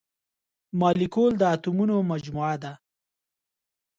مالیکول د اتومونو مجموعه ده.